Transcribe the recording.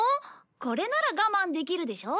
これなら我慢できるでしょ？